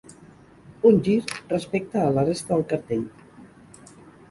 Un gir respecte a la resta del cartell.